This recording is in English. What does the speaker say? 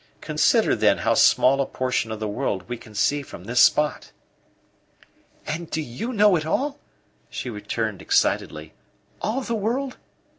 Consider, then, how small a portion of the world we can see from this spot!" "And do you know it all?" she returned excitedly. "All the world?"